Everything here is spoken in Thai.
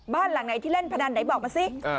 บ้านหลังไหนที่เล่นพนันไหนบอกมาสิ